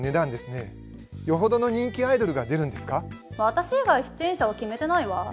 私以外出演者は決めてないわ。